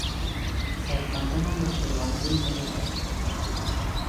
سرښندنه د خپلواکۍ بیه ده.